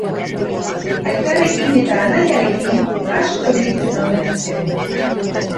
Aitarekin eta anaiarekin asko ibiltzen omen zen.